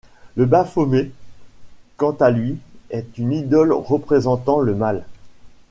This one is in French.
Le Baphomet, quant à lui, est une idole représentant le mal.